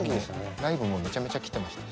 ライブもめちゃめちゃ来てましたしね。